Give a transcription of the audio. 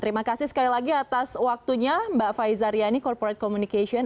terima kasih sekali lagi atas waktunya mbak faizah riani corporate communications